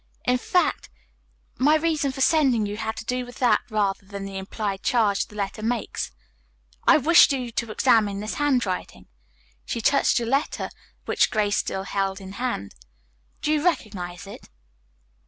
In fact, my reason for sending for you had to do with that, rather than the implied charge the letter makes. I wish you to examine this handwriting," she touched the letter which Grace still held in hand. "Do you recognize it?"